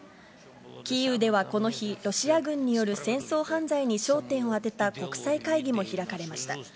キーウではこの日、ロシア軍による戦争犯罪に焦点を当てた国際会議も開かれました。